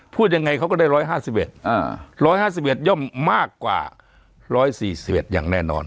พูดยังไงเขาก็ได้๑๕๑๑๕๑ย่อมมากกว่า๑๔๑อย่างแน่นอน